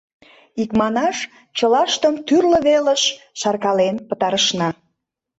Икманаш, чылаштым тӱрлӧ велыш шаркален пытарышна.